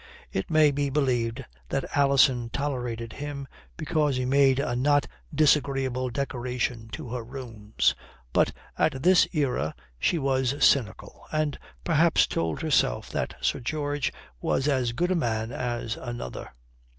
It may be believed that Alison tolerated him because he made a not disagreeable decoration to her rooms. But at this era she was cynical, and perhaps told herself that Sir George was as good a man as another.